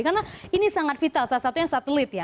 karena ini sangat vital salah satunya satelit ya